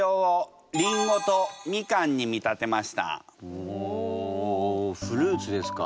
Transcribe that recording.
おフルーツですか。